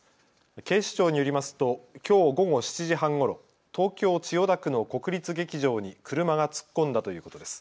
警視庁によりますときょう午後７時半ごろ東京千代田区の国立劇場に車が突っ込んだということです。